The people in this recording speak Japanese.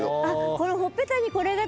これほっぺたにこれが。